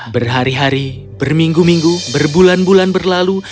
berhari hari berminggu minggu berbulan bulan berlalu